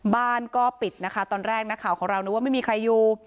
บ้านก็ปิดนะคะตอนแรกนักข่าวของเรานึกว่าไม่มีใครอยู่